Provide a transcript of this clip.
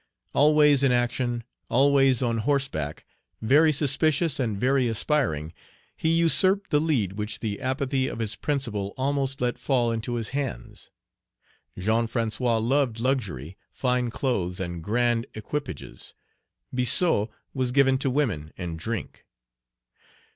Always in action, always on horseback, very suspicious, and very aspiring, he usurped the lead which the apathy of his principal almost let fall into his hands. Jean François loved luxury, fine clothes, and grand equipages; Biassou was given to women and drink.